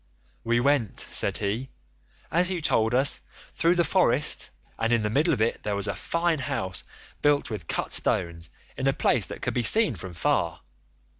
"'We went,' said he, 'as you told us, through the forest, and in the middle of it there was a fine house built with cut stones in a place that could be seen from far.